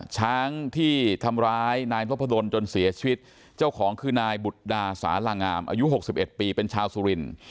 ช้างที่ทำร้ายนายมรพดนจนเสียชีวิตเจ้าของคือนายบุฎาสารางามอายุหกสิบเอ็ดปีเป็นชาวสุริน